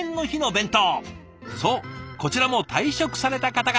そうこちらも退職された方から。